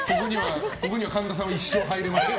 ここには神田さんは一生、入れません。